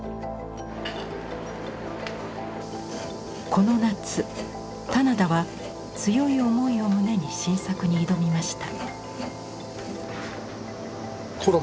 この夏棚田は強い思いを胸に新作に挑みました。